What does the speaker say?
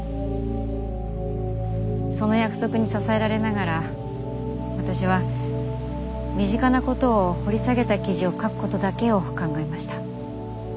その約束に支えられながら私は身近なことを掘り下げた記事を書くことだけを考えました。